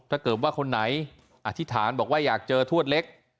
ถ้าเกิดว่าคนไหนอธิษฐานบอกว่าอยากเจอทวดเล็ก